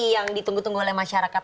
yang ditunggu tunggu oleh masyarakat